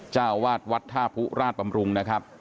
เจ้าวาดวัดท่าผู้ราชบำรุงนะครับ